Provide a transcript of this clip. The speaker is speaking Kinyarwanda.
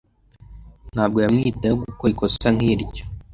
Ntabwo yamwitayeho gukora ikosa nkiryo.